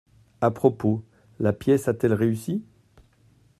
A propos, la pièce a-t-elle réussi ?